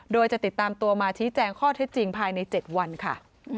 โดยจะติดตามตัวมาชี้แจงข้อเท็จจริงภายใน๗วันค่ะ